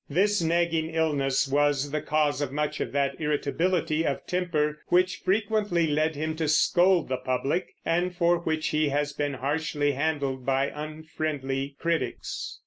This nagging illness was the cause of much of that irritability of temper which frequently led him to scold the public, and for which he has been harshly handled by unfriendly critics.